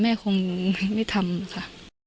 แม่คงไม่ทำค่ะ